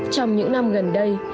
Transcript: trong những năm gần đây